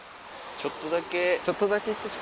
ちょっとだけ。